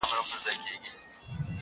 روح مي نیم بسمل نصیب ته ولیکم-